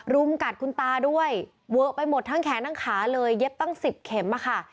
รุมกัดคุณตาด้วยเวอะไปหมดทั้งแขนทั้งขาเลยเย็บตั้ง๑๐เข็มอะค่ะ